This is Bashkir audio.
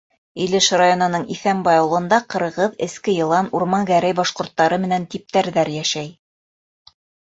Илеш районының Иҫәнбай ауылында ҡырғыҙ, эске йылан, урман-гәрәй башҡорттары менән типтәрҙәр йәшәй.